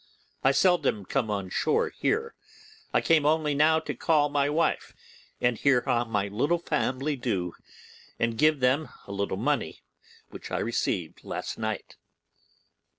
I seldom come on shore here, and I came now only to call on my wife and hear how my family do, and give them a little money, which I received last night.